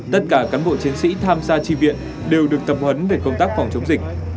tất cả cán bộ chiến sĩ tham gia tri viện đều được tập huấn về công tác phòng chống dịch